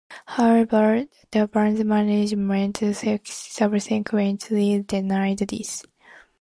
However, the band's management subsequently denied this.